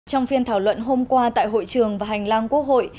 trong phiên thảo luận hôm qua tại hội trường và hành lang quốc hội